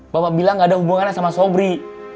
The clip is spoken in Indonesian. bapak bilang gak ada hubungannya sama sobri